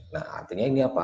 nah artinya ini apa